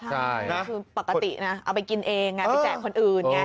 คือปกตินะเอาไปกินเองไปแจกคนอื่น